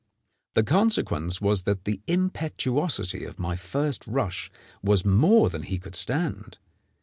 The consequence was that the impetuosity of my first rush was more than he could stand.